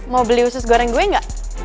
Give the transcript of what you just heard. mau beli usus goreng gue gak